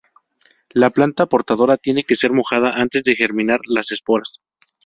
La planta portadora tiene que ser mojada antes de germinar las esporas.